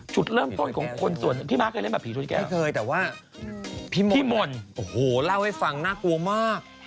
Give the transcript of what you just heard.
จุดเริ่มต้นของคนส่วนพี่ม้าเคยเล่นแบบผีรถแก้วเคยแต่ว่าพี่มนต์โอ้โหเล่าให้ฟังน่ากลัวมาก